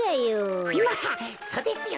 まっそうですよね。